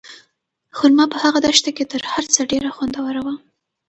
خورما په هغه دښته کې تر هر څه ډېره خوندوره وه.